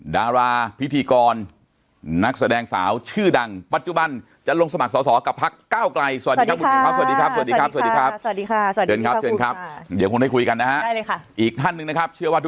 สวัสดีครับคุณหมิวสิริรพัฒน์กรตการ